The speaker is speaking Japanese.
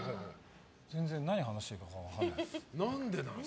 全然、何話していいか分からない。